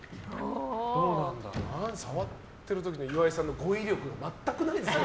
触ってる時の岩井さんの語彙力全くないですね。